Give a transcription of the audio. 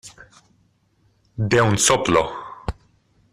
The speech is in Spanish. de un soplo.